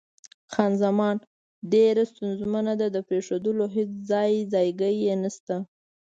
خان زمان: ډېره ستونزمنه ده، د پرېښودلو هېڅ ځای ځایګی یې نشته.